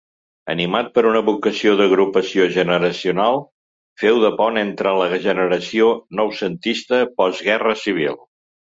Animat per una vocació d'agrupació generacional, féu de pont entre la generació noucentista post-Guerra Civil.